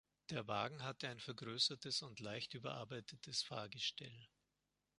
Der Wagen hatte ein vergrößertes und leicht überarbeitetes Fahrgestell.